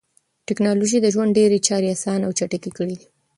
ټکنالوژي د ژوند ډېری چارې اسانه او چټکې کړې دي.